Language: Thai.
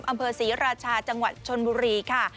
อำเภอศรีราชาจังหวัดชนบุรีค่ะ